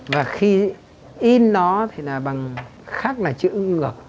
và khi in nó thì là bằng khác là chữ ngược